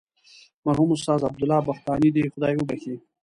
مرحوم استاد عبدالله بختانی دې خدای وبخښي.